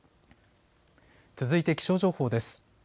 続いて気象情報です。